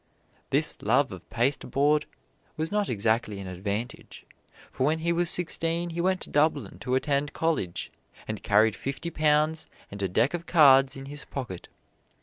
This love of pasteboard was not exactly an advantage, for when he was sixteen he went to Dublin to attend college, and carried fifty pounds and a deck of cards in his pocket.